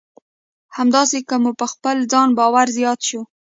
همداسې که مو په خپل ځان باور زیات شو.